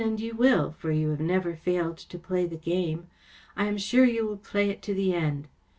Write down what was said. And you will, for you have never failed to play the game. I am sure you will play it to the eftd.